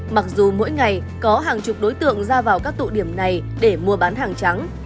mặc dù mỗi ngày có hàng chục đối tượng ra vào các tụ điểm này để mua bán hàng trắng